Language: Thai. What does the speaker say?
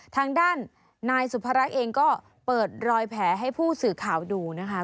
ทางด้านนายสุภรักษ์เองก็เปิดรอยแผลให้ผู้สื่อข่าวดูนะคะ